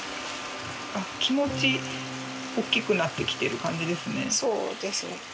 気持ちおっきくなってきてる感じですね。